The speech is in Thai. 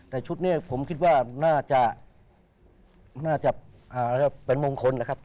แต่ชุดนี้ผมคิดว่าน่าจะน่าจะเป็นมงคลนะครับ